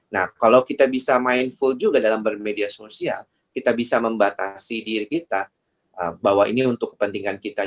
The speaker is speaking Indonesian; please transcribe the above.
nah kalau kita bisa mindful juga dalam bermedia sosial kita bisa membatasi diri kita bahwa ini untuk kepentingan kita